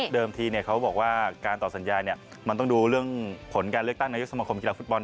ทีเขาบอกว่าการต่อสัญญามันต้องดูเรื่องผลการเลือกตั้งนายกสมคมกีฬาฟุตบอล